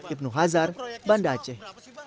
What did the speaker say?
ibnu hazar banda aceh